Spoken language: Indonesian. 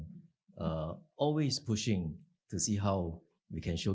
selalu mendorong untuk melihat